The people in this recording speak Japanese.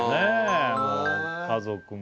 家族も。